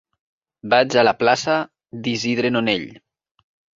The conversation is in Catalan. Vaig a la plaça d'Isidre Nonell.